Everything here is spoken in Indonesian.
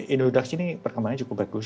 indodax ini perkembangannya cukup bagus